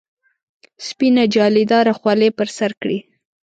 سپینه جالۍ داره خولۍ پر سر کړي.